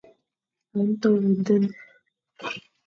A nto ve den.